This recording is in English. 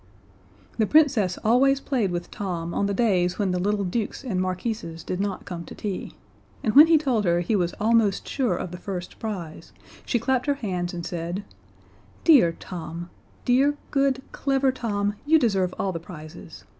The Princess always played with Tom on the days when the little dukes and marquises did not come to tea and when he told her he was almost sure of the first prize, she clapped her hands and said: "Dear Tom, dear good, clever Tom, you deserve all the prizes.